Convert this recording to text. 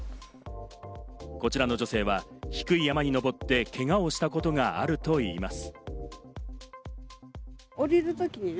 こちらの女性は、低い山に登って、けがをしたことがあるといいます。